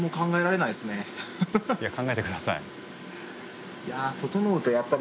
いや考えて下さい。